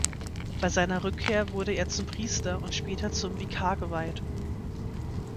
Bei seiner Rückkehr wurde er zum Priester und später zum Vikar geweiht.